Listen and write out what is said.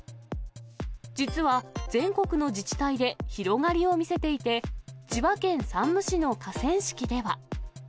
実は、全国の自治体で広がりを見せていて、千葉県山武市の河川敷では。